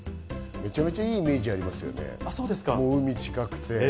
めちゃくちゃいいイメージありますよね、海近くて。